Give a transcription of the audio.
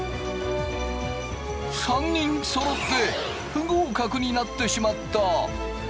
３人そろって不合格になってしまった。